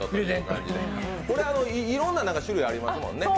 これはいろんな種類ありますもんね？